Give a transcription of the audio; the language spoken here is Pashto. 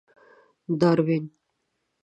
داروېن.